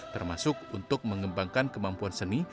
termasuk untuk mengembangkan kemampuan seni